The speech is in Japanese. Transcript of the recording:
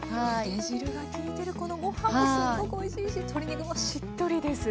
ゆで汁が効いてるこのご飯もすっごくおいしいし鶏肉もしっとりです。